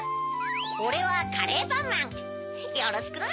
おれはカレーパンマンよろしくな！